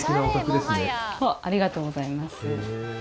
ありがとうございます。